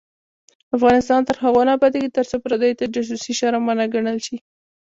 افغانستان تر هغو نه ابادیږي، ترڅو پردیو ته جاسوسي شرم ونه ګڼل شي.